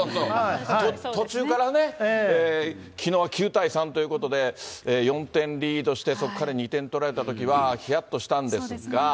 途中からね、きのう、９対３ということで、４点リードして、そこから２点取られたときはひやっとしたんですが。